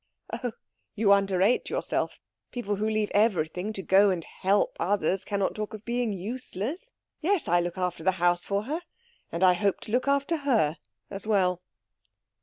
"Oh, you underrate yourself. People who leave everything to go and help others cannot talk of being useless. Yes, I look after her house for her, and I hope to look after her as well."